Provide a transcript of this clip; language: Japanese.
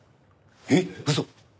えっ嘘！？